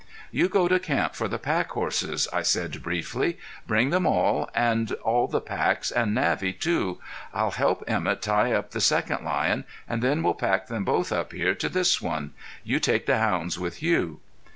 "You go to camp for the pack horses," I said briefly. "Bring them all, and all the packs, and Navvy, too. I'll help Emett tie up the second lion, and then we'll pack them both up here to this one. You take the hounds with you."